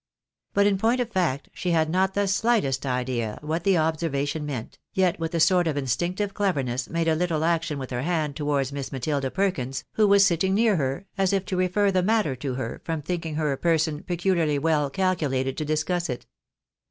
But, in point of fact, she had not the slightest idea what the observation meant, yet with a sort of instinctive cleverness made a httle action with her hand towards Miss Matilda Perkins, who was sitting near her, as if to refer the matter to her, from thinking her a person pecuharly well calculated to discuss it.